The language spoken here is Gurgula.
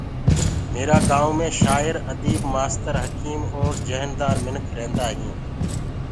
ميرآ گايونٚ مي شآير اديب مآستر حڪيم اور جيهندار منک رهيندآ هينٚ